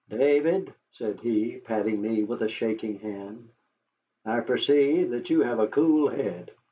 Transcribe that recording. "David," said he, patting me with a shaking hand, "I perceive that you have a cool head.